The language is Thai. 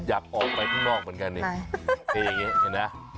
มันก็ลองนะอยากออกไปข้างนอกเหมือนกันเนี่ย